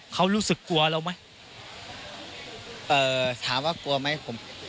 เขารู้สึกกลัวเราไหมเอ่อถามว่ากลัวไหมผม